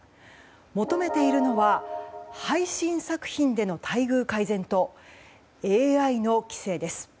求めているのは配信作品での待遇改善とＡＩの規制です。